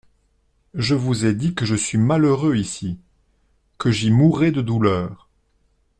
Je vous ai dit que je suis malheureux ici, que j'y mourrais de douleur.